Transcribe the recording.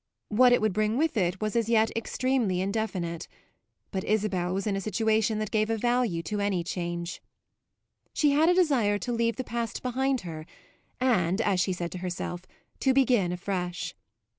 What it would bring with it was as yet extremely indefinite; but Isabel was in a situation that gave a value to any change. She had a desire to leave the past behind her and, as she said to herself, to begin afresh.